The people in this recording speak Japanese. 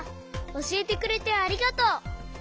おしえてくれてありがとう！